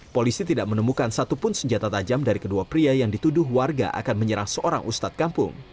polisi tidak menemukan satupun senjata tajam dari kedua pria yang dituduh warga akan menyerang seorang ustad kampung